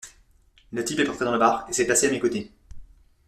Le type est entré dans le bar et s’est placé à mes côtés.